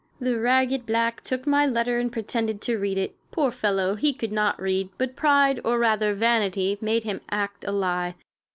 The ragged black took my letter and pretended to read it. Poor fellow, he could not read, but pride, or rather vanity, made him act a lie.